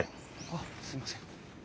あっすいません。